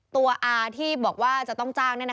อาที่บอกว่าจะต้องจ้าง